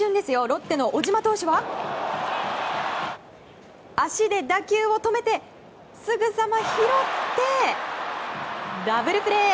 ロッテの小島投手は足で打球を止めてすぐさま拾ってダブルプレー！